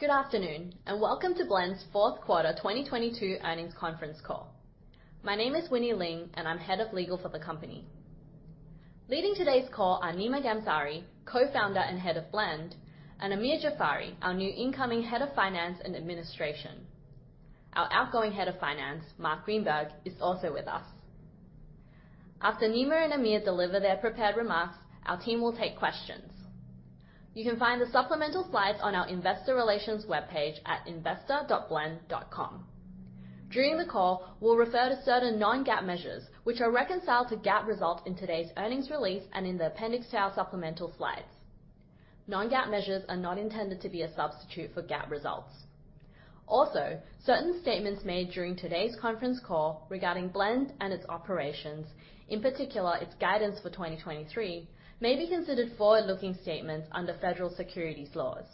Good afternoon, and welcome to Blend's fourth quarter 2022 earnings conference call. My name is Winnie Ling, and I'm Head of Legal for the company. Leading today's call are Nima Ghamsari, Co-Founder and Head of Blend, and Amir Jafari, our new incoming Head of Finance and Administration. Our outgoing Head of Finance, Marc Greenberg, is also with us. After Nima and Amir deliver their prepared remarks, our team will take questions. You can find the supplemental slides on our investor relations webpage at investor.blend.com. During the call, we'll refer to certain non-GAAP measures which are reconciled to GAAP results in today's earnings release and in the appendix to our supplemental slides. Non-GAAP measures are not intended to be a substitute for GAAP results. Also, certain statements made during today's conference call regarding Blend and its operations, in particular, its guidance for 2023, may be considered forward-looking statements under federal securities laws.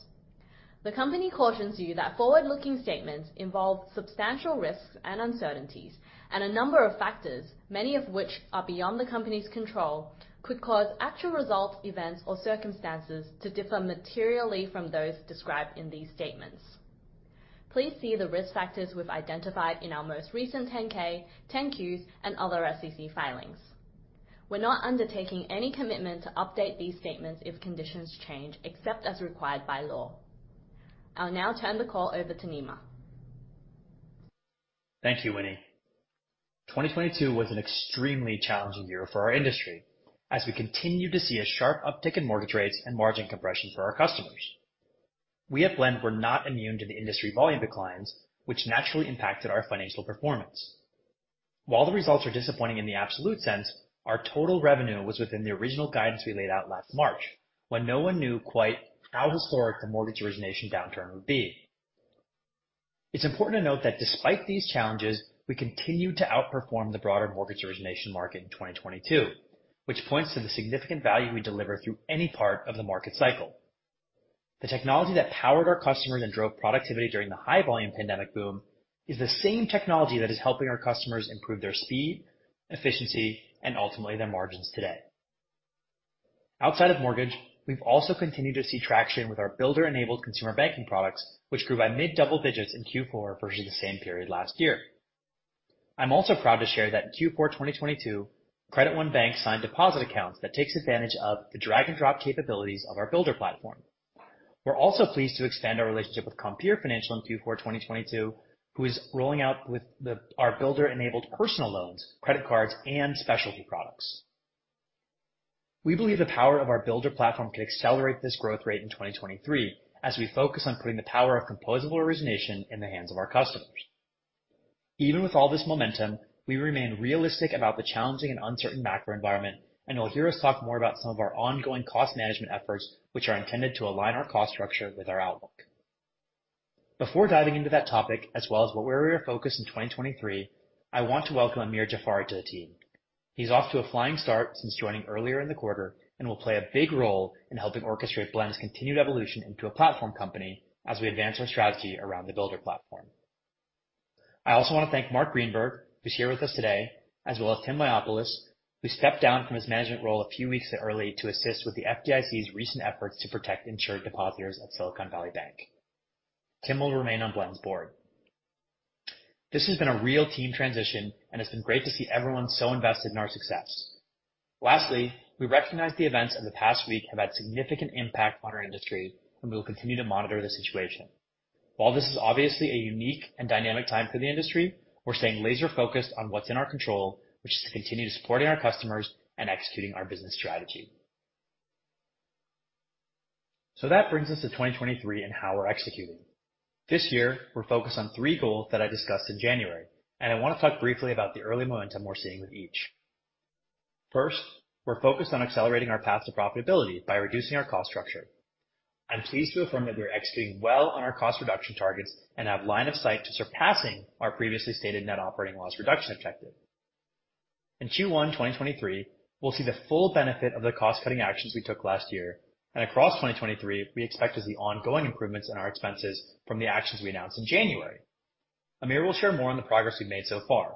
The company cautions you that forward-looking statements involve substantial risks and uncertainties and a number of factors, many of which are beyond the company's control, could cause actual results, events or circumstances to differ materially from those described in these statements. Please see the risk factors we've identified in our most recent Form 10-K, Form 10-Qs, and other SEC filings. We're not undertaking any commitment to update these statements if conditions change, except as required by law. I'll now turn the call over to Nima. Thank you, Winnie. 2022 was an extremely challenging year for our industry as we continued to see a sharp uptick in mortgage rates and margin compression for our customers. We at Blend were not immune to the industry volume declines, which naturally impacted our financial performance. While the results are disappointing in the absolute sense, our total revenue was within the original guidance we laid out last March, when no one knew quite how historic the mortgage origination downturn would be. It's important to note that despite these challenges, we continued to outperform the broader mortgage origination market in 2022, which points to the significant value we deliver through any part of the market cycle. The technology that powered our customers and drove productivity during the high volume pandemic boom is the same technology that is helping our customers improve their speed, efficiency, and ultimately, their margins today. Outside of mortgage, we've also continued to see traction with our Builder-enabled Consumer Banking products, which grew by mid-double digits in Q4 versus the same period last year. I'm also proud to share that in Q4 2022, Credit One Bank signed deposit accounts that takes advantage of the drag-and-drop capabilities of our Builder platform. We're also pleased to expand our relationship with Compeer Financial in Q4 2022, who is rolling out with our Builder-enabled personal loans, credit cards, and specialty products. We believe the power of our Builder platform can accelerate this growth rate in 2023, as we focus on putting the power of composable origination in the hands of our customers. Even with all this momentum, we remain realistic about the challenging and uncertain macro environment. You'll hear us talk more about some of our ongoing cost management efforts, which are intended to align our cost structure with our outlook. Before diving into that topic, as well as where we are focused in 2023, I want to welcome Amir Jafari to the team. He's off to a flying start since joining earlier in the quarter and will play a big role in helping orchestrate Blend's continued evolution into a platform company as we advance our strategy around the Builder Platform. I also want to thank Marc Greenberg, who's here with us today, as well as Tim Mayopoulos, who stepped down from his management role a few weeks early to assist with the FDIC's recent efforts to protect insured depositors at Silicon Valley Bank. Tim will remain on Blend's board. This has been a real team transition, and it's been great to see everyone so invested in our success. Lastly, we recognize the events of the past week have had significant impact on our industry, and we will continue to monitor the situation. While this is obviously a unique and dynamic time for the industry, we're staying laser-focused on what's in our control, which is to continue supporting our customers and executing our business strategy. That brings us to 2023 and how we're executing. This year, we're focused on three goals that I discussed in January, and I want to talk briefly about the early momentum we're seeing with each. First, we're focused on accelerating our path to profitability by reducing our cost structure. I'm pleased to affirm that we are executing well on our cost reduction targets and have line of sight to surpassing our previously stated net operating loss reduction objective. In Q1, 2023, we'll see the full benefit of the cost-cutting actions we took last year. Across 2023, we expect to see ongoing improvements in our expenses from the actions we announced in January. Amir will share more on the progress we've made so far.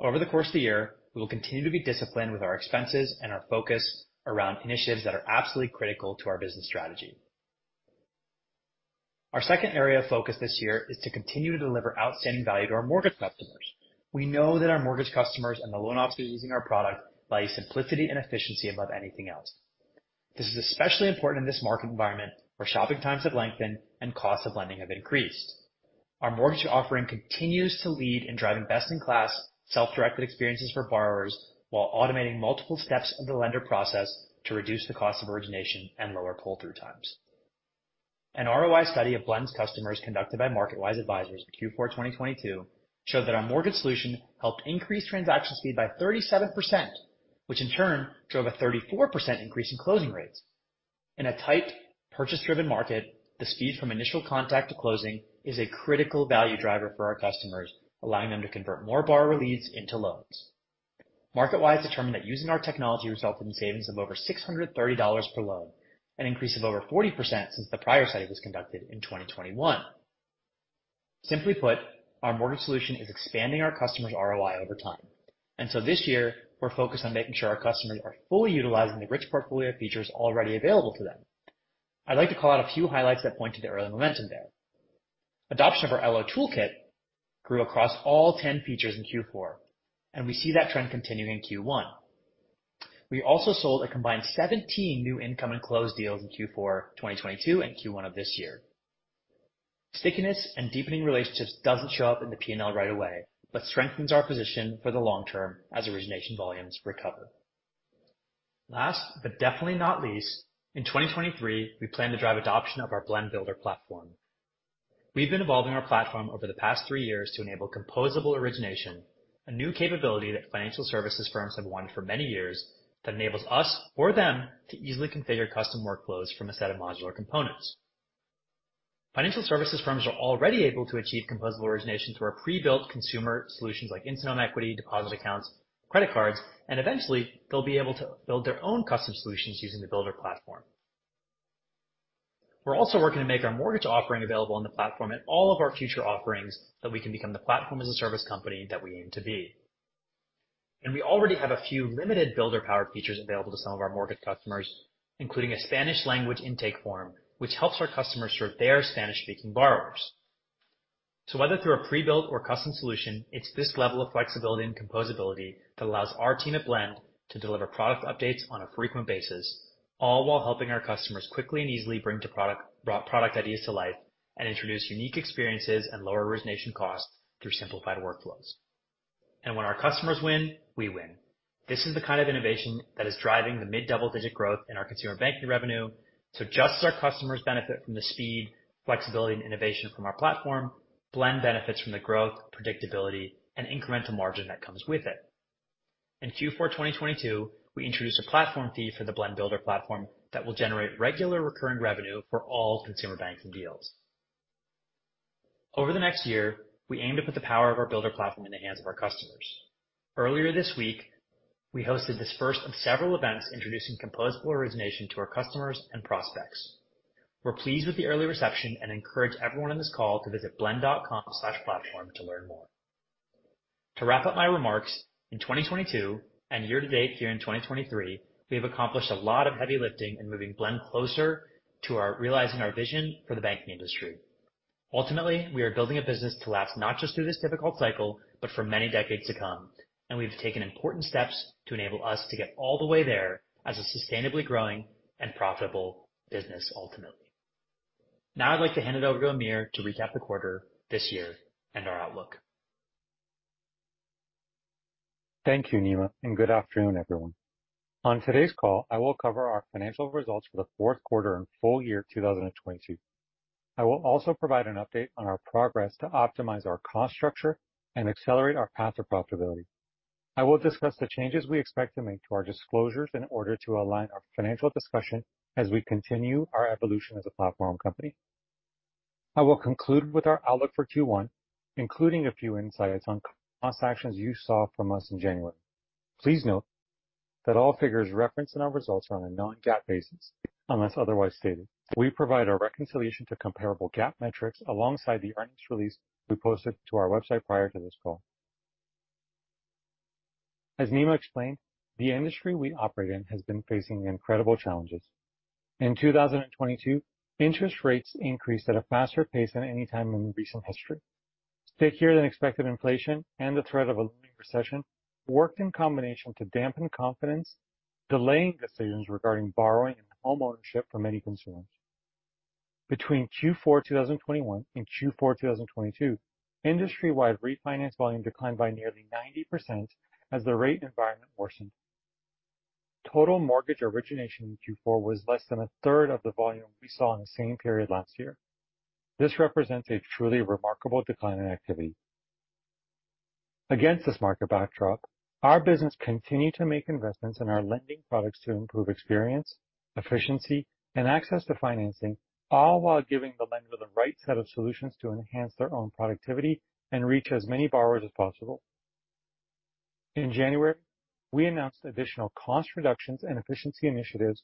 Over the course of the year, we will continue to be disciplined with our expenses and our focus around initiatives that are absolutely critical to our business strategy. Our second area of focus this year is to continue to deliver outstanding value to our mortgage customers. We know that our mortgage customers and the loan officers using our product value simplicity and efficiency above anything else. This is especially important in this market environment, where shopping times have lengthened and costs of lending have increased. Our mortgage offering continues to lead in driving best-in-class self-directed experiences for borrowers while automating multiple steps of the lender process to reduce the cost of origination and lower pull-through times. An ROI study of Blend's customers conducted by MarketWise Advisors in Q4 2022 showed that our mortgage solution helped increase transaction speed by 37%, which in turn drove a 34% increase in closing rates. In a tight purchase-driven market, the speed from initial contact to closing is a critical value driver for our customers, allowing them to convert more borrower leads into loans. MarketWise determined that using our technology resulted in savings of over $630 per loan, an increase of over 40% since the prior study was conducted in 2021. Simply put, our mortgage solution is expanding our customers' ROI over time. This year, we're focused on making sure our customers are fully utilizing the rich portfolio of features already available to them. I'd like to call out a few highlights that point to the early momentum there. Adoption of our LO Toolkit grew across all 10 features in Q4, and we see that trend continuing in Q1. We also sold a combined 17 new income and close deals in Q4 2022 and Q1 of this year. Stickiness and deepening relationships doesn't show up in the P&L right away, but strengthens our position for the long term as origination volumes recover. Last, but definitely not least, in 2023, we plan to drive adoption of our Blend Builder Platform. We've been evolving our platform over the past three years to enable composable origination, a new capability that financial services firms have wanted for many years that enables us or them to easily configure custom workflows from a set of modular components. Financial services firms are already able to achieve composable origination through our pre-built consumer solutions like Instant Home Equity, deposit accounts, credit cards, and eventually they'll be able to build their own custom solutions using the Builder Platform. We're also working to make our mortgage offering available on the platform and all of our future offerings that we can become the platform as a service company that we aim to be. We already have a few limited Builder-powered features available to some of our mortgage customers, including a Spanish language intake form, which helps our customers serve their Spanish-speaking borrowers. Whether through a pre-built or custom solution, it's this level of flexibility and composability that allows our team at Blend to deliver product updates on a frequent basis, all while helping our customers quickly and easily brought product ideas to life and introduce unique experiences and lower origination costs through simplified workflows. When our customers win, we win. This is the kind of innovation that is driving the mid-double-digit growth in our Consumer Banking revenue. Just as our customers benefit from the speed, flexibility, and innovation from our platform, Blend benefits from the growth, predictability, and incremental margin that comes with it. In Q4 2022, we introduced a platform fee for the Blend Builder platform that will generate regular recurring revenue for all Consumer Banking deals. Over the next year, we aim to put the power of our Builder platform in the hands of our customers. Earlier this week, we hosted this first of several events introducing composable origination to our customers and prospects. We're pleased with the early reception and encourage everyone on this call to visit blend.com/platform to learn more. To wrap up my remarks, in 2022 and year to date here in 2023, we have accomplished a lot of heavy lifting in moving Blend closer to our realizing our vision for the banking industry. Ultimately, we are building a business to last not just through this difficult cycle, but for many decades to come, and we've taken important steps to enable us to get all the way there as a sustainably growing and profitable business ultimately. Now I'd like to hand it over to Amir to recap the quarter this year and our outlook. Thank you, Nima. Good afternoon, everyone. On today's call, I will cover our financial results for the fourth quarter and full year 2022. I will also provide an update on our progress to optimize our cost structure and accelerate our path to profitability. I will discuss the changes we expect to make to our disclosures in order to align our financial discussion as we continue our evolution as a platform company. I will conclude with our outlook for Q1, including a few insights on cost actions you saw from us in January. Please note that all figures referenced in our results are on a non-GAAP basis, unless otherwise stated. We provide our reconciliation to comparable GAAP metrics alongside the earnings release we posted to our website prior to this call. As Nima explained, the industry we operate in has been facing incredible challenges. In 2022, interest rates increased at a faster pace than any time in recent history. Stickier than expected inflation and the threat of a looming recession worked in combination to dampen confidence, delaying decisions regarding borrowing and homeownership for many consumers. Between Q4 2021 and Q4 2022, industry-wide refinance volume declined by nearly 90% as the rate environment worsened. Total mortgage origination in Q4 was less than 1/3 of the volume we saw in the same period last year. This represents a truly remarkable decline in activity. Against this market backdrop, our business continued to make investments in our lending products to improve experience, efficiency, and access to financing, all while giving the lender the right set of solutions to enhance their own productivity and reach as many borrowers as possible. In January, we announced additional cost reductions and efficiency initiatives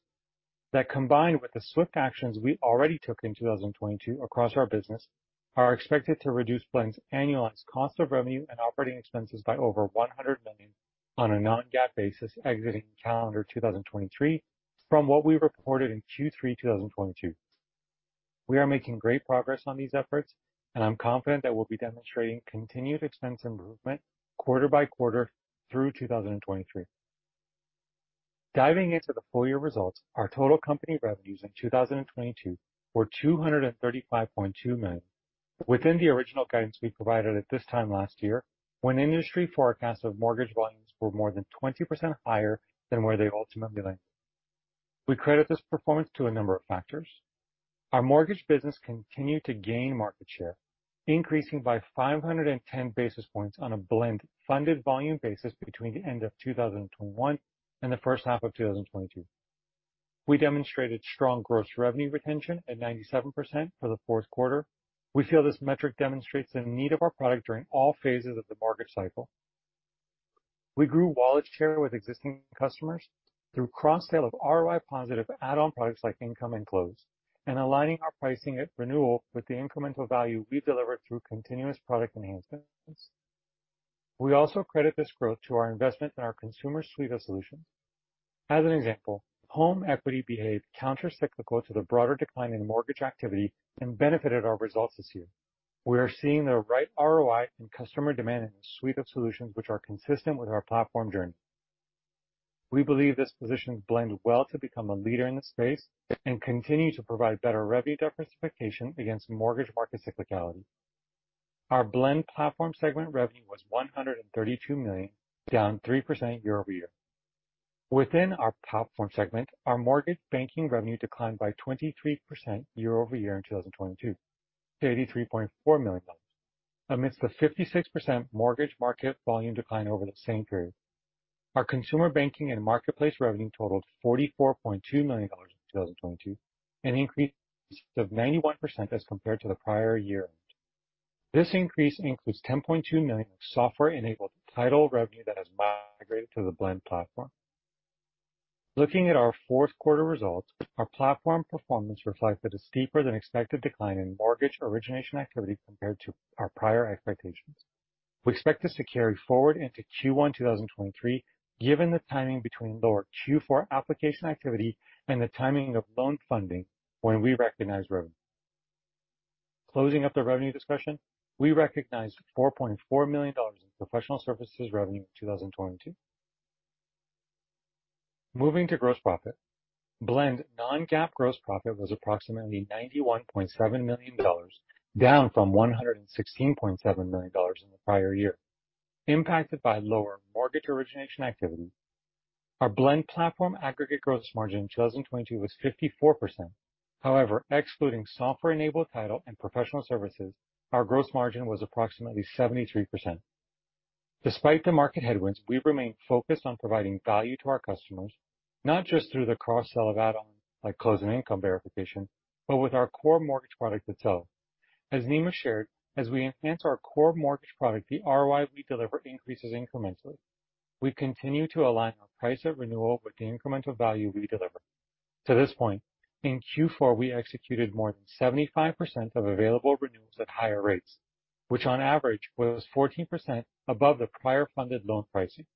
that, combined with the swift actions we already took in 2022 across our business, are expected to reduce Blend's annualized cost of revenue and operating expenses by over $100 million on a non-GAAP basis exiting calendar 2023 from what we reported in Q3 2022. We are making great progress on these efforts, and I'm confident that we'll be demonstrating continued expense improvement quarter by quarter through 2023. Diving into the full year results, our total company revenues in 2022 were $235.2 million, within the original guidance we provided at this time last year, when industry forecasts of mortgage volumes were more than 20% higher than where they ultimately landed. We credit this performance to a number of factors. Our mortgage business continued to gain market share, increasing by 510 basis points on a Blend funded volume basis between the end of 2021 and the first half of 2022. We demonstrated strong gross revenue retention at 97% for the fourth quarter. We feel this metric demonstrates the need of our product during all phases of the mortgage cycle. We grew wallet share with existing customers through cross-sale of ROI positive add-on products like income and close and aligning our pricing at renewal with the incremental value we deliver through continuous product enhancements. We also credit this growth to our investment in our Consumer Suite of solutions. As an example, home equity behaved countercyclical to the broader decline in mortgage activity and benefited our results this year. We are seeing the right ROI in customer demand in the suite of solutions which are consistent with our platform journey. We believe this position Blend well to become a leader in the space and continue to provide better revenue diversification against mortgage market cyclicality. Our Blend Platform segment revenue was $132 million, down 3% year-over-year. Within our Platform segment, our mortgage banking revenue declined by 23% year-over-year in 2022 to $83.4 million amidst the 56% mortgage market volume decline over the same period. Our Consumer Banking and Marketplace revenue totaled $44.2 million in 2022, an increase of 91% as compared to the prior year. This increase includes $10.2 million of software-enabled title revenue that has migrated to the Blend Platform. Looking at our fourth quarter results, our platform performance reflected a steeper than expected decline in mortgage origination activity compared to our prior expectations. We expect this to carry forward into Q1 2023, given the timing between lower Q4 application activity and the timing of loan funding when we recognize revenue. Closing up the revenue discussion, we recognized $4.4 million in professional services revenue in 2022. Moving to gross profit. Blend non-GAAP gross profit was approximately $91.7 million, down from $116.7 million in the prior year. Impacted by lower mortgage origination activity, our Blend Platform aggregate gross margin in 2022 was 54%. Excluding software-enabled title and professional services, our gross margin was approximately 73%. Despite the market headwinds, we remain focused on providing value to our customers, not just through the cross-sell of add-ons like Close and Income verification, but with our core mortgage product itself. As Nima shared, as we enhance our core mortgage product, the ROI we deliver increases incrementally. We continue to align our price at renewal with the incremental value we deliver. To this point, in Q4, we executed more than 75% of available renewals at higher rates, which on average was 14% above the prior funded loan pricing.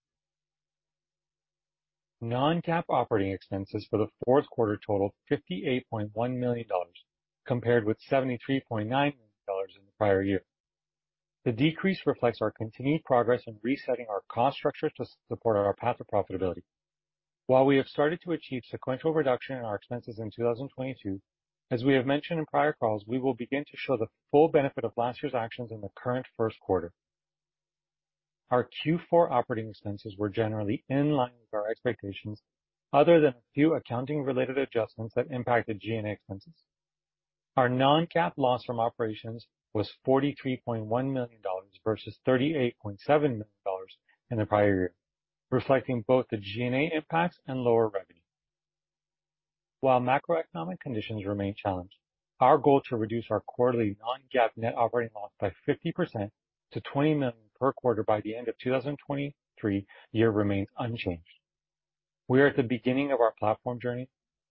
non-GAAP operating expenses for the fourth quarter totaled $58.1 million, compared with $73.9 million in the prior year. The decrease reflects our continued progress in resetting our cost structure to support our path to profitability. While we have started to achieve sequential reduction in our expenses in 2022, as we have mentioned in prior calls, we will begin to show the full benefit of last year's actions in the current first quarter. Our Q4 operating expenses were generally in line with our expectations, other than a few accounting-related adjustments that impacted G&A expenses. Our non-GAAP loss from operations was $43.1 million versus $38.7 million in the prior year, reflecting both the G&A impacts and lower revenue. While macroeconomic conditions remain challenged, our goal to reduce our quarterly non-GAAP net operating loss by 50% to $20 million per quarter by the end of 2023 remains unchanged. We are at the beginning of our platform journey.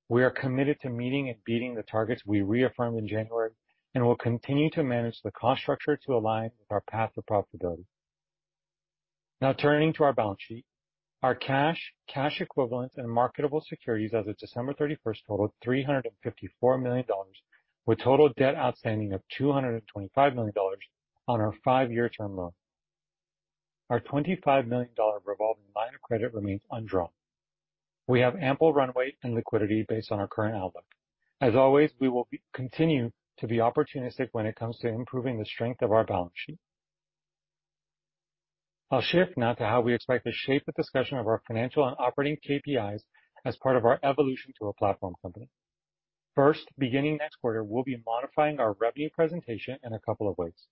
We are committed to meeting and beating the targets we reaffirmed in January, and we'll continue to manage the cost structure to align with our path to profitability. Turning to our balance sheet. Our cash equivalents, and marketable securities as of December 31st totaled $354 million, with total debt outstanding of $225 million on our five-year term loan. Our $25 million revolving line of credit remains undrawn. We have ample runway and liquidity based on our current outlook. As always, we will continue to be opportunistic when it comes to improving the strength of our balance sheet. I'll shift now to how we expect to shape the discussion of our financial and operating KPIs as part of our evolution to a platform company. Beginning next quarter, we'll be modifying our revenue presentation in a couple of ways.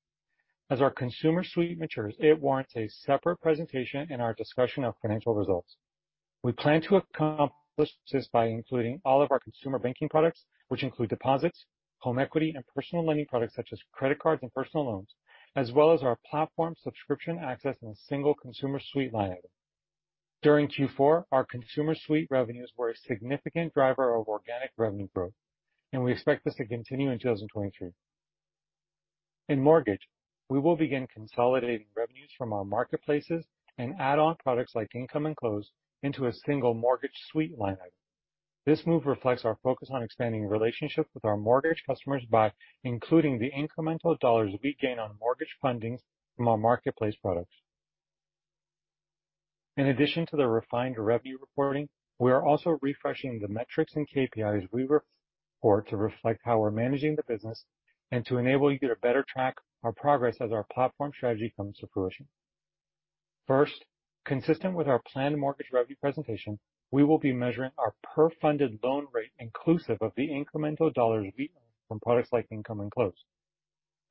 As our consumer suite matures, it warrants a separate presentation in our discussion of financial results. We plan to accomplish this by including all of our Consumer Banking products, which include deposits, home equity, and personal lending products such as credit cards and personal loans, as well as our platform subscription access in a single consumer suite line item. During Q4, our consumer suite revenues were a significant driver of organic revenue growth, and we expect this to continue in 2023. In mortgage, we will begin consolidating revenues from our Marketplaces and add-on products like Income and Close into a single Mortgage Suite line item. This move reflects our focus on expanding relationships with our mortgage customers by including the incremental dollars we gain on mortgage fundings from our Marketplace products. In addition to the refined revenue reporting, we are also refreshing the metrics and KPIs we report to reflect how we're managing the business and to enable you to better track our progress as our platform strategy comes to fruition. First, consistent with our planned mortgage revenue presentation, we will be measuring our per funded loan rate inclusive of the incremental dollar we earn from products like income and close.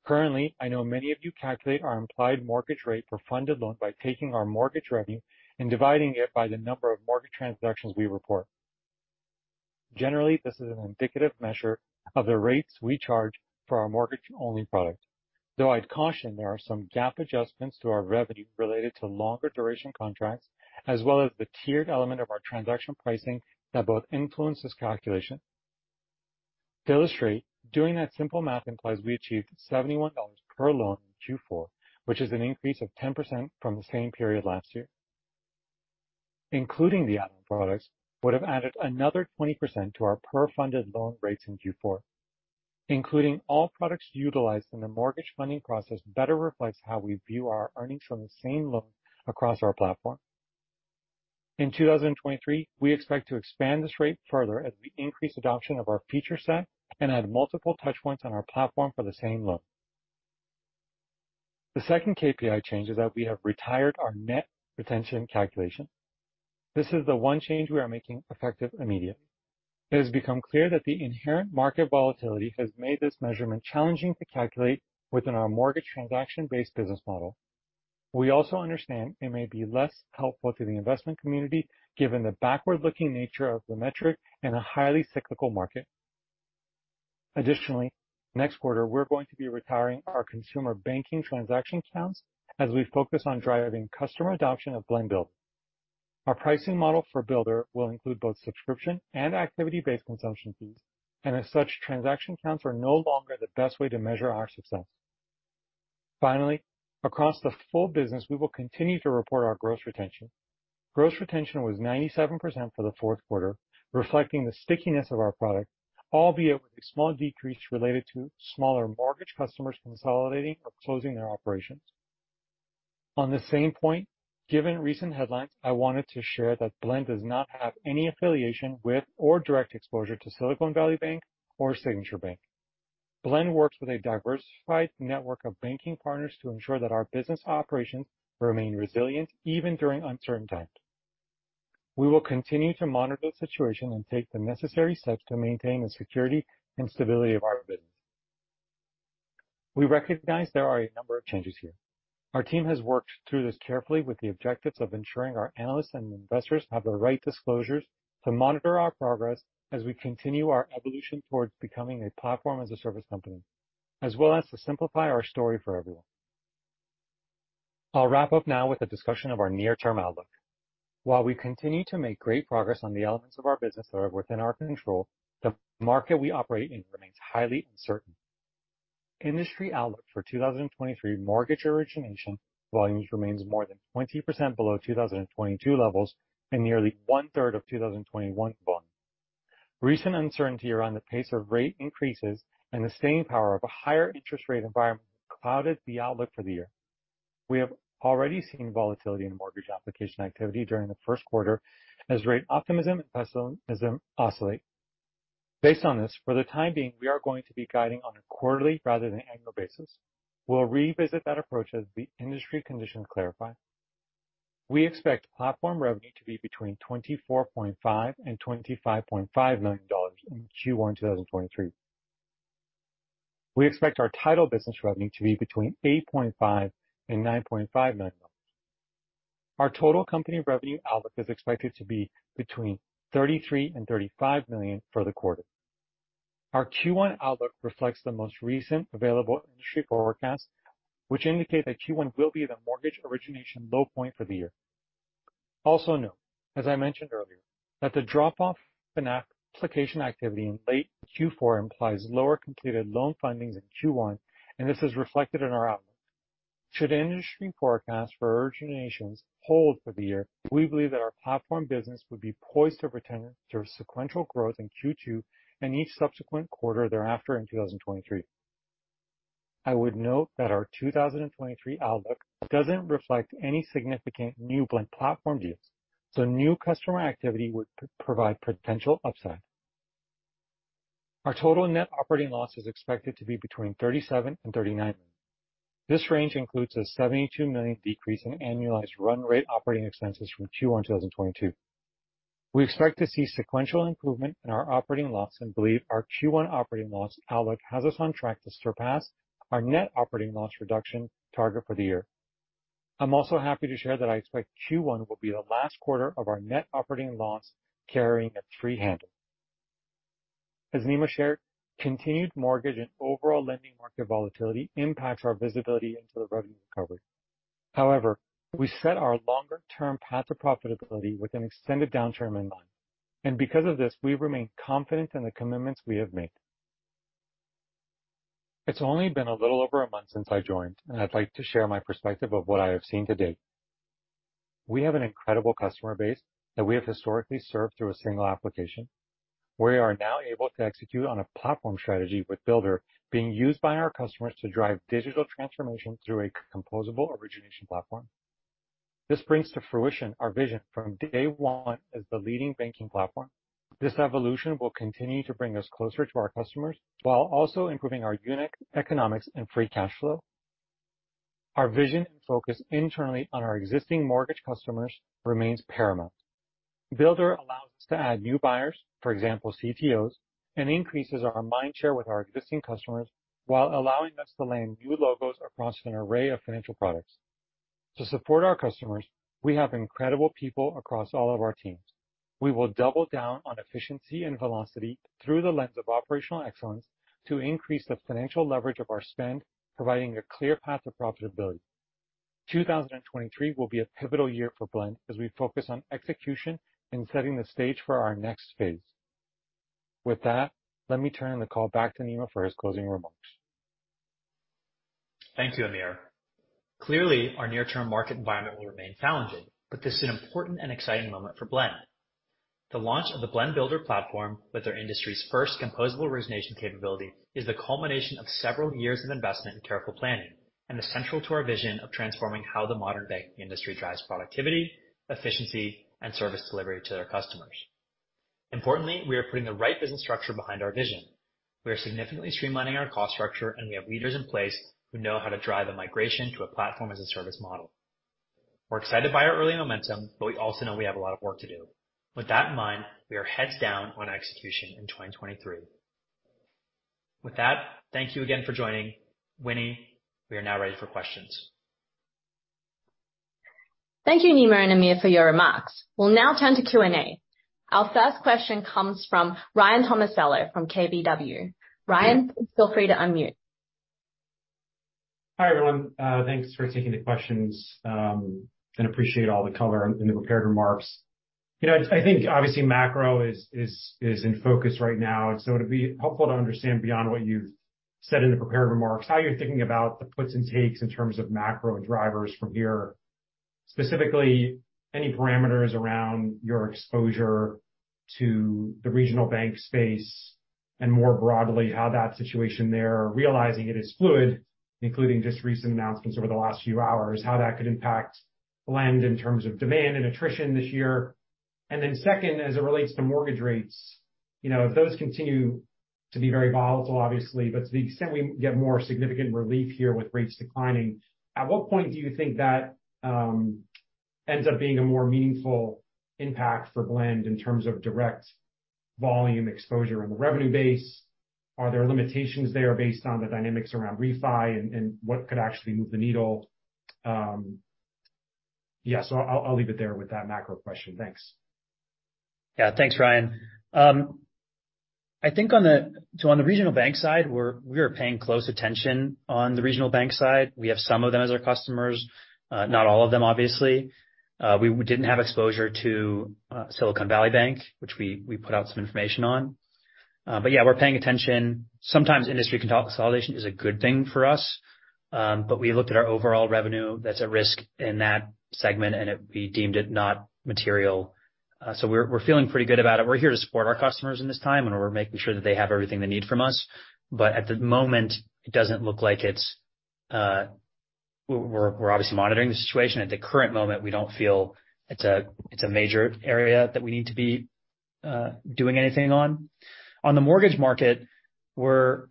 Currently, I know many of you calculate our implied mortgage rate per funded loan by taking our mortgage revenue and dividing it by the number of mortgage transactions we report. This is an indicative measure of the rates we charge for our mortgage-only product, though I'd caution there are some GAAP adjustments to our revenue related to longer duration contracts, as well as the tiered element of our transaction pricing that both influence this calculation. To illustrate, doing that simple math implies we achieved $71 per loan in Q4, which is an increase of 10% from the same period last year. Including the add-on products would have added another 20% to our per funded loan rates in Q4. Including all products utilized in the mortgage funding process better reflects how we view our earnings from the same loan across our platform. In 2023, we expect to expand this rate further as we increase adoption of our feature set and add multiple touch points on our platform for the same loan. The second KPI change is that we have retired our net retention calculation. This is the one change we are making effective immediately. It has become clear that the inherent market volatility has made this measurement challenging to calculate within our mortgage transaction-based business model. Next quarter, we're going to be retiring our Consumer Banking transaction counts as we focus on driving customer adoption of Blend Builder. Our pricing model for Builder will include both subscription and activity-based consumption fees. As such, transaction counts are no longer the best way to measure our success. Across the full business, we will continue to report our gross retention. Gross retention was 97% for the fourth quarter, reflecting the stickiness of our product, albeit with a small decrease related to smaller mortgage customers consolidating or closing their operations. On the same point, given recent headlines, I wanted to share that Blend does not have any affiliation with or direct exposure to Silicon Valley Bank or Signature Bank. Blend works with a diversified network of banking partners to ensure that our business operations remain resilient even during uncertain times. We will continue to monitor the situation and take the necessary steps to maintain the security and stability of our business. We recognize there are a number of changes here. Our team has worked through this carefully with the objectives of ensuring our analysts and investors have the right disclosures to monitor our progress as we continue our evolution towards becoming a platform as a service company, as well as to simplify our story for everyone. I'll wrap up now with a discussion of our near-term outlook. While we continue to make great progress on the elements of our business that are within our control, the market we operate in remains highly uncertain. Industry outlook for 2023 mortgage origination volumes remains more than 20% below 2022 levels and nearly 1/3 of 2021 volume. Recent uncertainty around the pace of rate increases and the staying power of a higher interest rate environment clouded the outlook for the year. We have already seen volatility in mortgage application activity during the first quarter as rate optimism and pessimism oscillate. Based on this, for the time being, we are going to be guiding on a quarterly rather than annual basis. We'll revisit that approach as the industry conditions clarify. We expect platform revenue to be between $24.5 million-$25.5 million in Q1 2023. We expect our title business revenue to be between $8.5 million-$9.5 million. Our total company revenue outlook is expected to be between $33 million and $35 million for the quarter. Our Q1 outlook reflects the most recent available industry forecasts, which indicate that Q1 will be the mortgage origination low point for the year. Note, as I mentioned earlier, that the drop-off in application activity in late Q4 implies lower completed loan fundings in Q1. This is reflected in our outlook. Should industry forecasts for originations hold for the year, we believe that our platform business would be poised to return to sequential growth in Q2 and each subsequent quarter thereafter in 2023. I would note that our 2023 outlook doesn't reflect any significant new Blend Platform deals. New customer activity would provide potential upside. Our total net operating loss is expected to be between $37 million and $39 million. This range includes a $72 million decrease in annualized run rate operating expenses from Q1 2022. We expect to see sequential improvement in our operating loss and believe our Q1 operating loss outlook has us on track to surpass our net operating loss reduction target for the year. I'm also happy to share that I expect Q1 will be the last quarter of our net operating loss carrying a three handle. As Nima shared, continued mortgage and overall lending market volatility impacts our visibility into the revenue recovery. However, we set our longer-term path to profitability with an extended downturn in mind. Because of this, we remain confident in the commitments we have made. It's only been a little over a month since I joined, and I'd like to share my perspective of what I have seen to date. We have an incredible customer base that we have historically served through a single application. We are now able to execute on a platform strategy with Builder being used by our customers to drive digital transformation through a composable origination platform. This brings to fruition our vision from day one as the leading banking platform. This evolution will continue to bring us closer to our customers while also improving our unit economics and free cash flow. Our vision and focus internally on our existing mortgage customers remains paramount. Builder allows us to add new buyers, for example, CTOs, and increases our mind share with our existing customers while allowing us to land new logos across an array of financial products. To support our customers, we have incredible people across all of our teams. We will double down on efficiency and velocity through the lens of operational excellence to increase the financial leverage of our spend, providing a clear path to profitability. 2023 will be a pivotal year for Blend as we focus on execution and setting the stage for our next phase. With that, let me turn the call back to Nima for his closing remarks. Thank you, Amir. Clearly, our near-term market environment will remain challenging. This is an important and exciting moment for Blend. The launch of the Blend Builder platform with our industry's first composable origination capability is the culmination of several years of investment and careful planning, essential to our vision of transforming how the modern banking industry drives productivity, efficiency, and service delivery to their customers. Importantly, we are putting the right business structure behind our vision. We are significantly streamlining our cost structure. We have leaders in place who know how to drive a migration to a platform-as-a-service model. We're excited by our early momentum. We also know we have a lot of work to do. With that in mind, we are heads down on execution in 2023. With that, thank you again for joining. Winnie, we are now ready for questions. Thank you, Nima and Amir, for your remarks. We'll now turn to Q&A. Our first question comes from Ryan Tomasello from KBW. Ryan, feel free to unmute. Hi, everyone. Thanks for taking the questions, and appreciate all the color in the prepared remarks. You know, I think obviously macro is in focus right now, and so it'd be helpful to understand beyond what you've said in the prepared remarks, how you're thinking about the puts and takes in terms of macro drivers from here. Specifically, any parameters around your exposure to the regional bank space and more broadly, how that situation there, realizing it is fluid, including just recent announcements over the last few hours, how that could impact Blend in terms of demand and attrition this year. Then second, as it relates to mortgage rates, you know, those continue to be very volatile, obviously, but to the extent we get more significant relief here with rates declining, at what point do you think that ends up being a more meaningful impact for Blend in terms of direct volume exposure on the revenue base? Are there limitations there based on the dynamics around refi and what could actually move the needle? I'll leave it there with that macro question. Thanks. Yeah. Thanks, Ryan. I think on the regional bank side, we are paying close attention on the regional bank side. We have some of them as our customers, not all of them, obviously. We didn't have exposure to Silicon Valley Bank, which we put out some information on. Yeah, we're paying attention. Sometimes industry consolidation is a good thing for us, we looked at our overall revenue that's at risk in that segment, and we deemed it not material. We're feeling pretty good about it. We're here to support our customers in this time, and we're making sure that they have everything they need from us. At the moment, it doesn't look like it's. We're obviously monitoring the situation. At the current moment, we don't feel it's a, it's a major area that we need to be doing anything on. On the mortgage market, we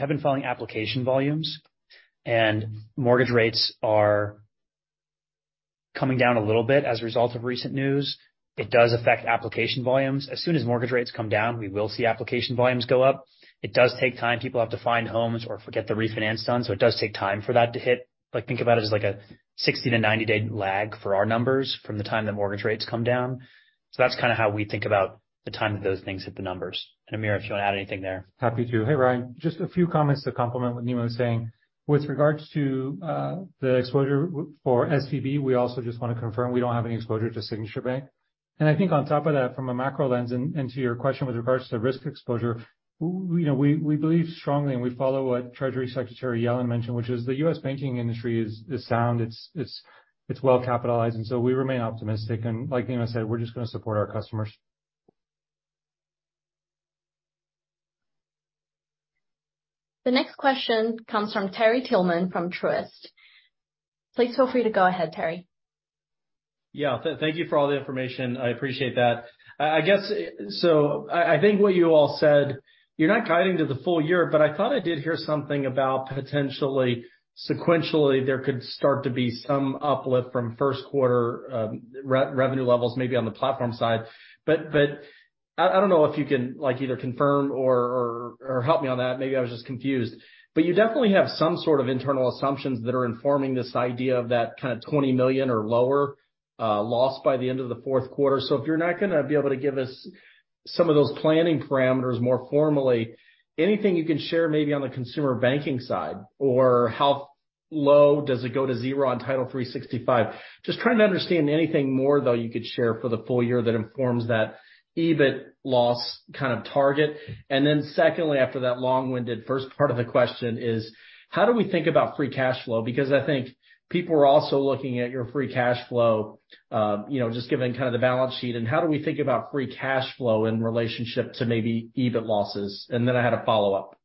have been following application volumes and mortgage rates are coming down a little bit as a result of recent news. It does affect application volumes. As soon as mortgage rates come down, we will see application volumes go up. It does take time. People have to find homes or get the refinance done, so it does take time for that to hit. Like, think about it as like a 60-90-day lag for our numbers from the time that mortgage rates come down. That's kinda how we think about the time that those things hit the numbers. Amir, if you want to add anything there. Happy to. Hey, Ryan. Just a few comments to complement what Nima was saying. With regards to the exposure for SVB, we also just want to confirm we don't have any exposure to Signature Bank. I think on top of that, from a macro lens and to your question with regards to risk exposure, we, you know, we believe strongly and we follow what Treasury Secretary Yellen mentioned, which is the U.S. banking industry is sound. It's well capitalized, we remain optimistic. Like Nima said, we're just gonna support our customers. The next question comes from Terry Tillman from Truist. Please feel free to go ahead, Terry. Yeah. Thank you for all the information. I appreciate that. I guess I think what you all said, you're not guiding to the full year, but I thought I did hear something about potentially sequentially there could start to be some uplift from first quarter revenue levels maybe on the platform side. But I don't know if you can, like, either confirm or help me on that. Maybe I was just confused. You definitely have some sort of internal assumptions that are informing this idea of that kind of $20 million or lower loss by the end of the fourth quarter. If you're not gonna be able to give us some of those planning parameters more formally, anything you can share maybe on the Consumer Banking side or how low does it go to zero on Title365? Just trying to understand anything more, though, you could share for the full year that informs that EBIT loss kind of target. Secondly, after that long-winded first part of the question is, how do we think about free cash flow? I think people are also looking at your free cash flow, you know, just given kind of the balance sheet, and how do we think about free cash flow in relationship to maybe EBIT losses? I had a follow-up.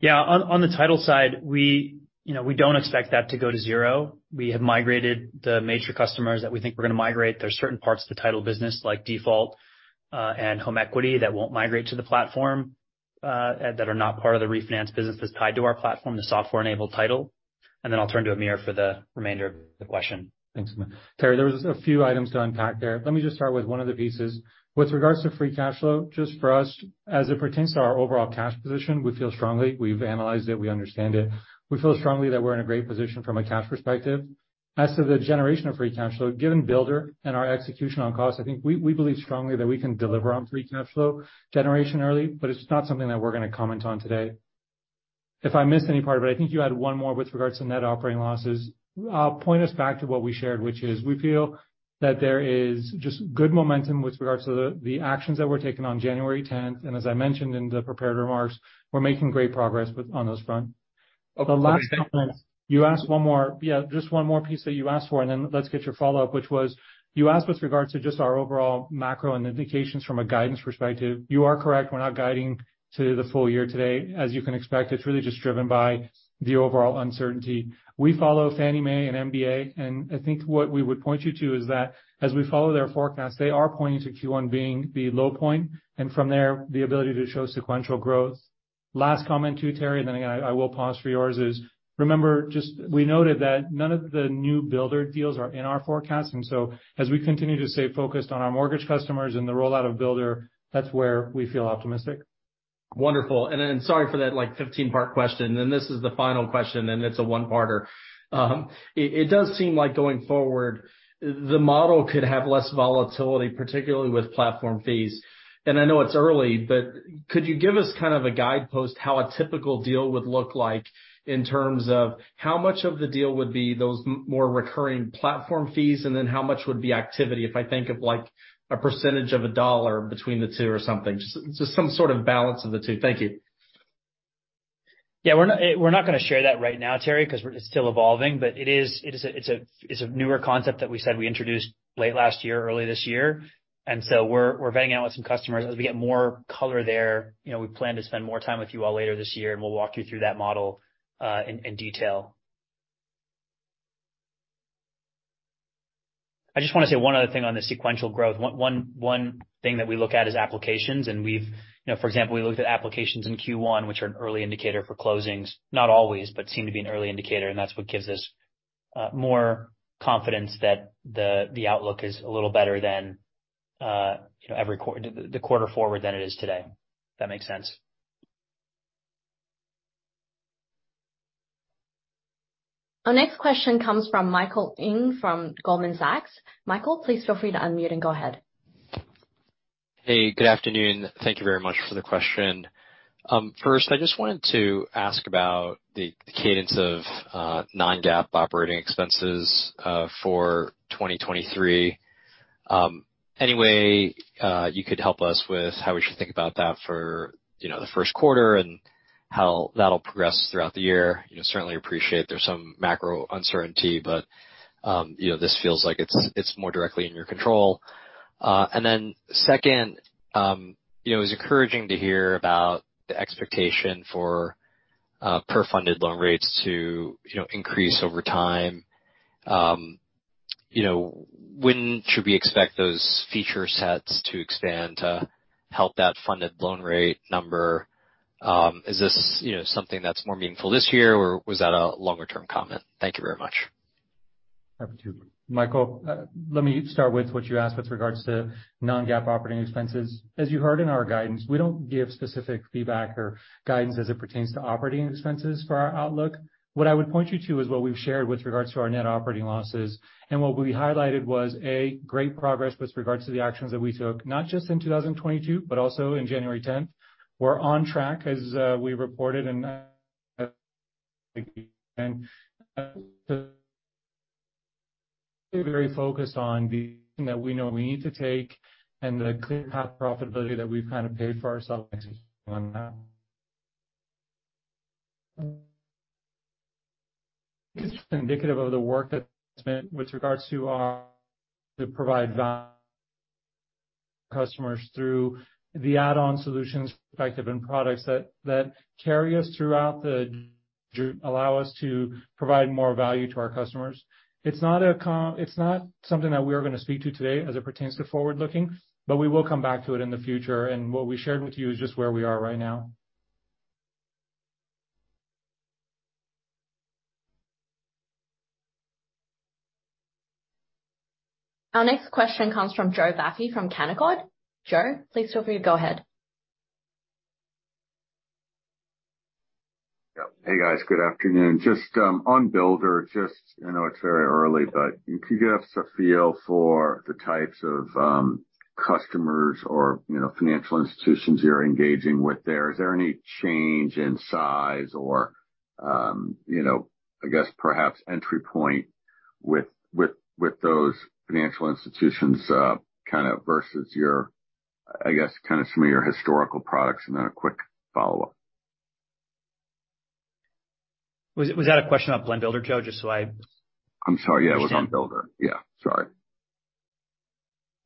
Yeah. On the title side, we, you know, we don't expect that to go to zero. We have migrated the major customers that we think we're gonna migrate. There's certain parts of the title business like default, and home equity that won't migrate to the platform, that are not part of the refinance business that's tied to our platform, the software-enabled title. I'll turn to Amir for the remainder of the question. Thanks, Terry. There was a few items to unpack there. Let me just start with one of the pieces. With regards to free cash flow, just for us, as it pertains to our overall cash position, we feel strongly. We've analyzed it, we understand it. We feel strongly that we're in a great position from a cash perspective. As to the generation of free cash flow, given Blend Builder and our execution on cost, I think we believe strongly that we can deliver on free cash flow generation early, but it's not something that we're gonna comment on today. If I missed any part of it, I think you had one more with regards to net operating losses. I'll point us back to what we shared, which is we feel that there is just good momentum with regards to the actions that were taken on January 10th. As I mentioned in the prepared remarks, we're making great progress on those front. The last comment, just one more piece that you asked for, let's get your follow-up, which was you asked with regards to just our overall macro and indications from a guidance perspective. You are correct, we're not guiding to the full year today. As you can expect, it's really just driven by the overall uncertainty. We follow Fannie Mae and MBA, I think what we would point you to is that as we follow their forecast, they are pointing to Q1 being the low point, from there, the ability to show sequential growth. Last comment too, Terry, I will pause for yours, is remember just we noted that none of the new Builder deals are in our forecast. As we continue to stay focused on our mortgage customers and the rollout of Builder, that's where we feel optimistic. Wonderful. Sorry for that, like, 15-part question. This is the final question, and it's a one parter. It does seem like going forward, the model could have less volatility, particularly with platform fees. I know it's early, but could you give us kind of a guidepost how a typical deal would look like in terms of how much of the deal would be those more recurring platform fees, and then how much would be activity if I think of, like, a percentage of $1 between the two or something? Just some sort of balance of the two. Thank you. Yeah, we're not gonna share that right now, Terry, 'cause we're still evolving, but it is a newer concept that we said we introduced late last year, early this year. We're vetting out with some customers. As we get more color there, you know, we plan to spend more time with you all later this year, and we'll walk you through that model in detail. I just wanna say one other thing on the sequential growth. One thing that we look at is applications. You know, for example, we looked at applications in Q1, which are an early indicator for closings. Not always, but seem to be an early indicator, and that's what gives us, more confidence that the outlook is a little better than, you know, the quarter forward than it is today. If that makes sense. Our next question comes from Michael Ng from Goldman Sachs. Michael, please feel free to unmute and go ahead. Hey, good afternoon. Thank you very much for the question. First, I just wanted to ask about the cadence of non-GAAP operating expenses for 2023. Any way you could help us with how we should think about that for, you know, the first quarter and how that'll progress throughout the year? You know, certainly appreciate there's some macro uncertainty, but, you know, this feels like it's more directly in your control. Second, you know, it was encouraging to hear about the expectation for per funded loan rates to, you know, increase over time. When should we expect those feature sets to expand to help that funded loan rate number? Is this, you know, something that's more meaningful this year, or was that a longer-term comment? Thank you very much. Happy to. Michael, let me start with what you asked with regards to non-GAAP operating expenses. As you heard in our guidance, we don't give specific feedback or guidance as it pertains to operating expenses for our outlook. What I would point you to is what we've shared with regards to our net operating losses. What we highlighted was, A, great progress with regards to the actions that we took, not just in 2022, but also in January 10th. We're on track as we reported and very focused on the action that we know we need to take and the clear path profitability that we've kind of paid for ourselves. It's indicative of the work that's been with regards to to provide value customers through the add-on solutions perspective and products that carry us throughout the allow us to provide more value to our customers. It's not something that we are gonna speak to today as it pertains to forward-looking, but we will come back to it in the future. What we shared with you is just where we are right now. Our next question comes from Joe Vafi from Canaccord. Joe, please feel free to go ahead. Yeah. Hey, guys. Good afternoon. Just, on Builder, just, I know it's very early, but can you give us a feel for the types of customers or, you know, financial institutions you're engaging with there? Is there any change in size or, you know, I guess perhaps entry point with those financial institutions, kind of versus your, I guess, kind of some of your historical products? A quick follow-up. Was that a question about Blend Builder, Joe? I'm sorry. Yeah, it was on Builder. Yeah, sorry.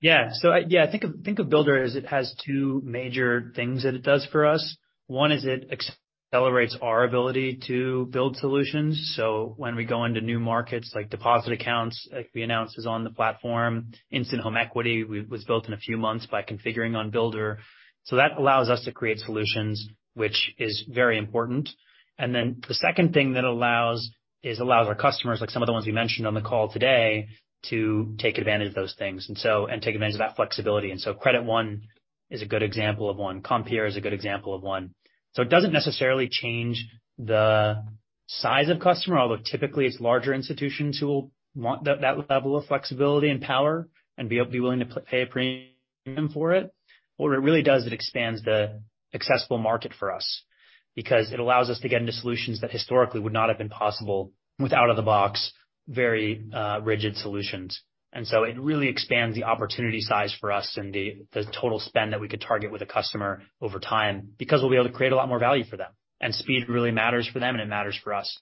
Yeah. Yeah, think of Builder as it has two major things that it does for us. One is it Accelerates our ability to build solutions. When we go into new markets like deposit accounts, like we announced is on the platform, Instant Home Equity was built in a few months by configuring on Builder. That allows us to create solutions, which is very important. Then the second thing that allows our customers, like some of the ones we mentioned on the call today, to take advantage of those things and take advantage of that flexibility. Credit One is a good example of one. Compeer is a good example of one. It doesn't necessarily change the size of customer, although typically it's larger institutions who will want that level of flexibility and power and be willing to pay a premium for it. What it really does, it expands the accessible market for us because it allows us to get into solutions that historically would not have been possible with out-of-the-box, very rigid solutions. It really expands the opportunity size for us and the total spend that we could target with a customer over time, because we'll be able to create a lot more value for them. Speed really matters for them, and it matters for us.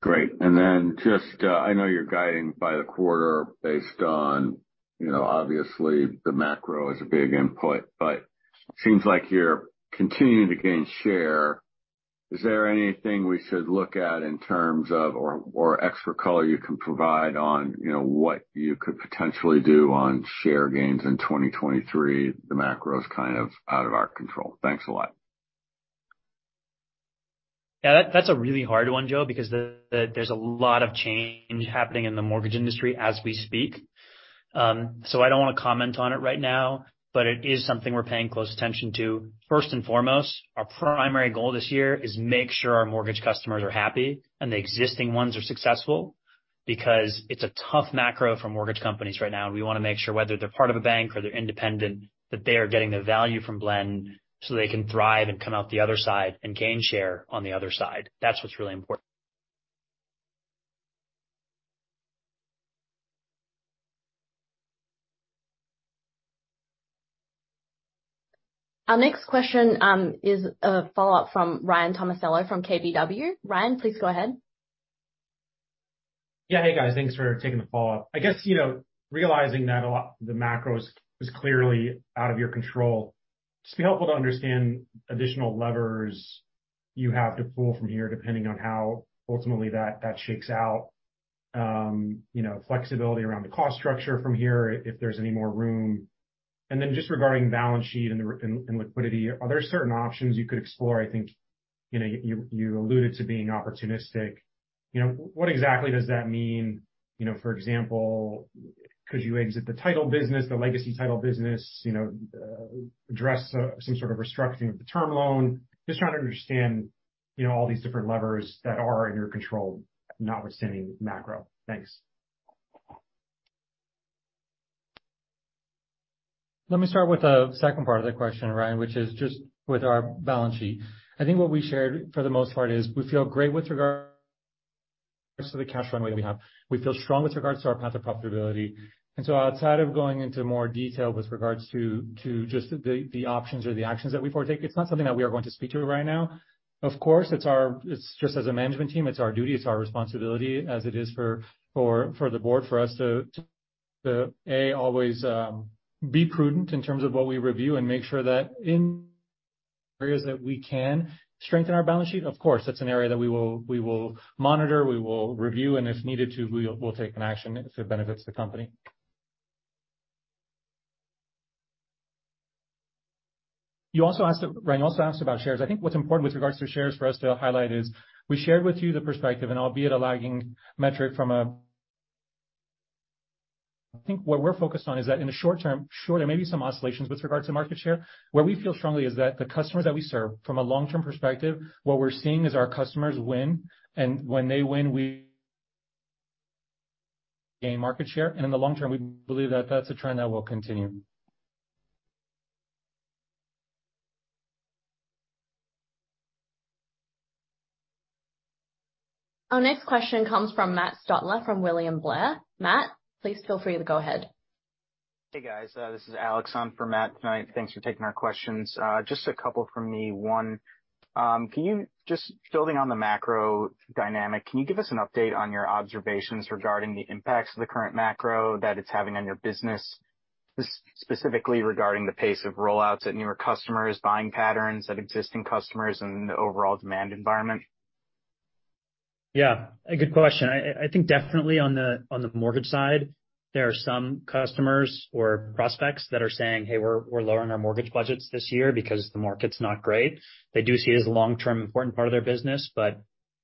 Great. Just, I know you're guiding by the quarter based on, you know, obviously the macro is a big input, but seems like you're continuing to gain share. Is there anything we should look at in terms of or extra color you can provide on, you know, what you could potentially do on share gains in 2023? The macro is kind of out of our control. Thanks a lot. Yeah, that's a really hard one, Joe, because there's a lot of change happening in the mortgage industry as we speak. I don't wanna comment on it right now, but it is something we're paying close attention to. First and foremost, our primary goal this year is make sure our mortgage customers are happy and the existing ones are successful because it's a tough macro for mortgage companies right now, we wanna make sure whether they're part of a bank or they're independent, that they are getting the value from Blend so they can thrive and come out the other side and gain share on the other side. That's what's really important. Our next question is a follow-up from Ryan Tomasello from KBW. Ryan, please go ahead. Hey, guys. Thanks for taking the follow-up. I guess, you know, realizing that a lot, the macro is clearly out of your control, just be helpful to understand additional levers you have to pull from here, depending on how ultimately that shakes out. You know, flexibility around the cost structure from here, if there's any more room. And then just regarding balance sheet and liquidity, are there certain options you could explore? I think, you know, you alluded to being opportunistic. You know, what exactly does that mean? You know, for example, could you exit the title business, the legacy title business, you know, address some sort of restructuring of the term loan? Just trying to understand, you know, all these different levers that are in your control, notwithstanding macro. Thanks. Let me start with the second part of that question, Ryan, which is just with our balance sheet. I think what we shared for the most part is we feel great with regards to the cash runway that we have. We feel strong with regards to our path of profitability. Outside of going into more detail with regards to just the options or the actions that we partake, it's not something that we are going to speak to right now. Of course, it's just as a management team, it's our duty, it's our responsibility as it is for the board, for us to always be prudent in terms of what we review and make sure that in areas that we can strengthen our balance sheet, of course, that's an area that we will monitor, we will review, and if needed to, we'll take an action if it benefits the company. Ryan, you also asked about shares. I think what's important with regards to shares for us to highlight is we shared with you the perspective, and albeit a lagging metric. I think what we're focused on is that in the short term, sure, there may be some oscillations with regard to market share. Where we feel strongly is that the customers that we serve from a long-term perspective, what we're seeing is our customers win, and when they win, we gain market share. In the long term, we believe that that's a trend that will continue. Our next question comes from Matt Stotler from William Blair. Matt, please feel free to go ahead. Hey, guys. This is Alex on for Matt tonight. Thanks for taking our questions. Just a couple from me. One, just building on the macro dynamic, can you give us an update on your observations regarding the impacts of the current macro that it's having on your business, specifically regarding the pace of rollouts at newer customers, buying patterns at existing customers and the overall demand environment? Yeah, a good question. I think definitely on the, on the mortgage side, there are some customers or prospects that are saying, "Hey, we're lowering our mortgage budgets this year because the market's not great." They do see it as a long-term important part of their business, but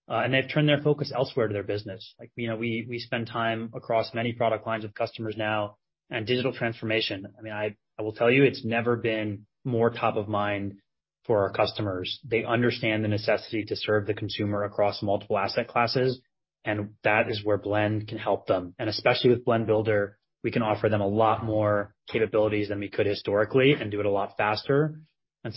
they've turned their focus elsewhere to their business. Like, you know, we spend time across many product lines with customers now and digital transformation. I mean, I will tell you, it's never been more top of mind for our customers. They understand the necessity to serve the consumer across multiple asset classes, and that is where Blend can help them. Especially with Blend Builder, we can offer them a lot more capabilities than we could historically and do it a lot faster.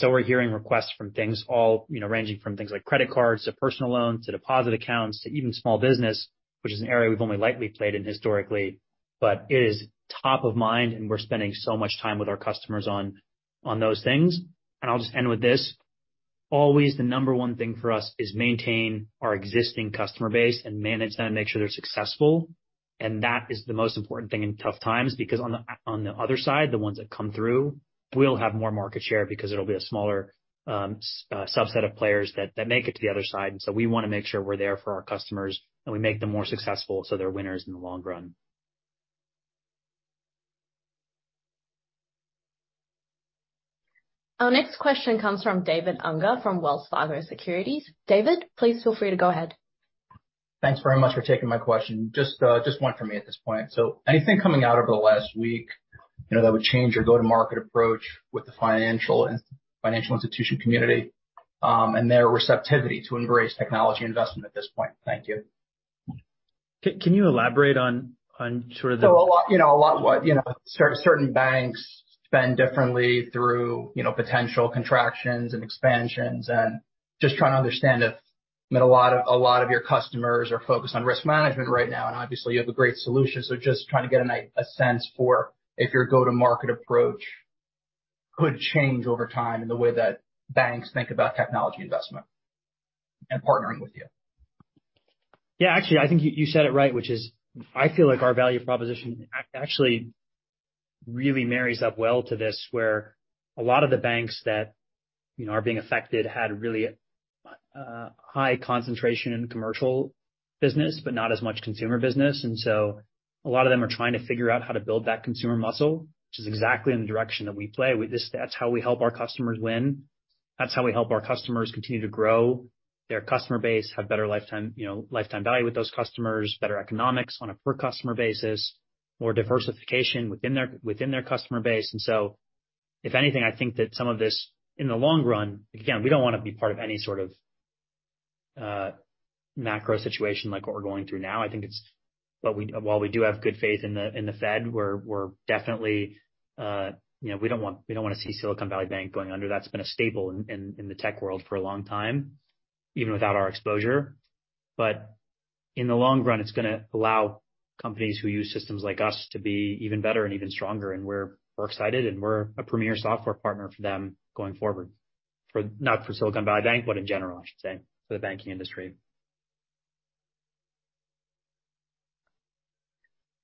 We're hearing requests from things all, you know, ranging from things like credit cards to personal loans to deposit accounts to even small business, which is an area we've only lightly played in historically. It is top of mind, and we're spending so much time with our customers on those things. I'll just end with this. Always the number one thing for us is maintain our existing customer base and manage them and make sure they're successful. That is the most important thing in tough times because on the other side, the ones that come through will have more market share because it'll be a smaller subset of players that make it to the other side. We wanna make sure we're there for our customers and we make them more successful so they're winners in the long run. Our next question comes from David Unger from Wells Fargo Securities. David, please feel free to go ahead. Thanks very much for taking my question. Just one for me at this point. Anything coming out over the last week, you know, that would change your go-to-market approach with the financial institution community, and their receptivity to embrace technology investment at this point? Thank you. Can you elaborate on sort of? A lot, you know, a lot what, you know, certain banks spend differently through, you know, potential contractions and expansions and just trying to understand if, I mean, a lot of your customers are focused on risk management right now, and obviously you have a great solution. Just trying to get a sense for if your go-to-market approach could change over time in the way that banks think about technology investment and partnering with you. Actually, I think you said it right, which is I feel like our value proposition actually really marries up well to this, where a lot of the banks that, you know, are being affected had really high concentration in commercial business, but not as much consumer business. A lot of them are trying to figure out how to build that consumer muscle, which is exactly in the direction that we play. That's how we help our customers win. That's how we help our customers continue to grow their customer base, have better lifetime, you know, lifetime value with those customers, better economics on a per customer basis, more diversification within their customer base. If anything, I think that some of this, in the long run, again, we don't wanna be part of any sort of macro situation like what we're going through now. While we do have good faith in the Fed, we're definitely, you know, we don't wanna see Silicon Valley Bank going under. That's been a staple in the tech world for a long time, even without our exposure. In the long run, it's gonna allow companies who use systems like us to be even better and even stronger, and we're excited, and we're a premier software partner for them going forward. Not for Silicon Valley Bank, but in general, I should say, for the banking industry.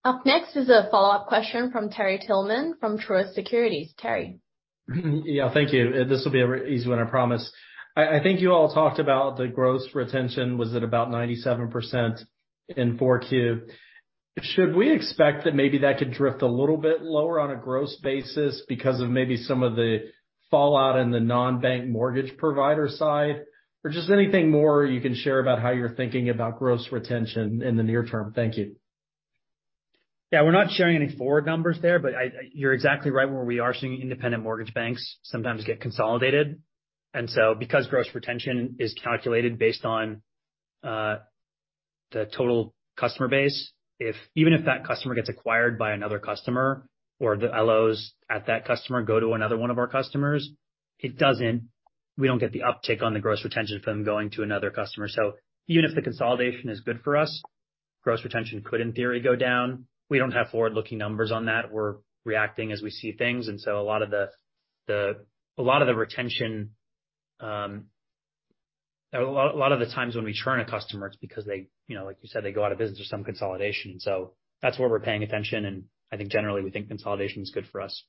Up next is a follow-up question from Terry Tillman from Truist Securities. Terry? Yeah. Thank you. This will be a very easy one, I promise. I think you all talked about the gross retention was at about 97% in 4Q. Should we expect that maybe that could drift a little bit lower on a gross basis because of maybe some of the fallout in the non-bank mortgage provider side? Or just anything more you can share about how you're thinking about gross retention in the near term? Thank you. Yeah. We're not showing any forward numbers there, but I, you're exactly right, where we are seeing independent mortgage banks sometimes get consolidated. Because gross retention is calculated based on the total customer base, even if that customer gets acquired by another customer or the LOs at that customer go to another one of our customers, we don't get the uptick on the gross retention from going to another customer. Even if the consolidation is good for us, gross retention could, in theory, go down. We don't have forward-looking numbers on that. We're reacting as we see things. A lot of the times when we churn a customer, it's because they, you know, like you said, they go out of business or some consolidation. That's where we're paying attention, and I think generally we think consolidation is good for us.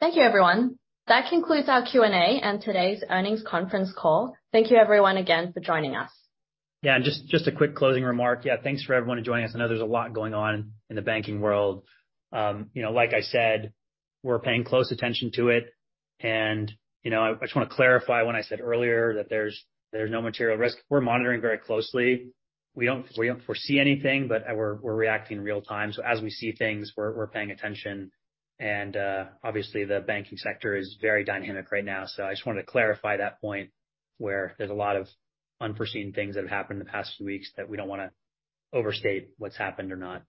Thank you, everyone. That concludes our Q&A and today's earnings conference call. Thank you everyone again for joining us. Just a quick closing remark. Thanks for everyone who joined us. I know there's a lot going on in the banking world. You know, like I said, we're paying close attention to it, you know, I just wanna clarify when I said earlier that there's no material risk. We're monitoring very closely. We don't foresee anything, we're reacting real time. As we see things, we're paying attention. Obviously the banking sector is very dynamic right now. I just wanted to clarify that point, where there's a lot of unforeseen things that have happened in the past few weeks that we don't wanna overstate what's happened or not.